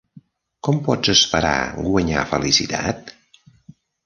Com pots esperar guanyar felicitat?